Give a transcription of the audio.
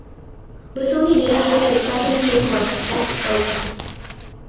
Busoni dedicated his second String Quartet Op.